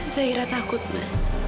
zaira takut ma